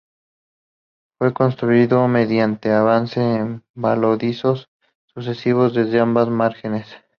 Fue construido mediante avance en voladizos sucesivos desde ambas márgenes.